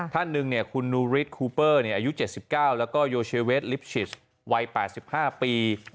ท่านหนึ่งคุณนูริสคูเปอร์อายุ๗๙แล้วก็โยเชเวสลิปชิสวัย๘๕ปี